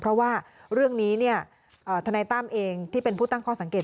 เพราะว่าเรื่องนี้ทนายตั้มเองที่เป็นผู้ตั้งข้อสังเกต